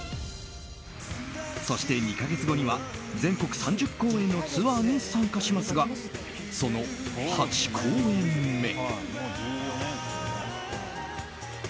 そして２か月後には全国３０公演のツアーに参加しますがその８公演目。